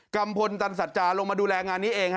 ัมพลตันสัจจาลงมาดูแลงานนี้เอง